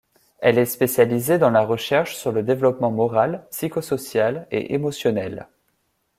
Elle est spécialisée dans la recherche sur le développement moral, psycho-social et émotionnel.